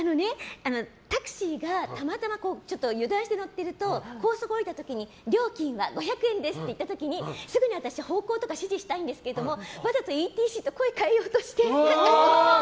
タクシーにたまたま油断して乗ってると高速降りた時に料金は５００円ですって言った時にすぐに私方向とか指示したいんですけどわざとＥＴＣと声を変えようとして。